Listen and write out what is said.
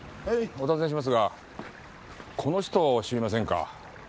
お尋ねしますがこの人知りませんか？